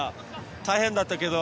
大変だったけど。